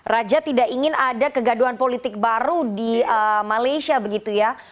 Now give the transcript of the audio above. raja tidak ingin ada kegaduhan politik baru di malaysia begitu ya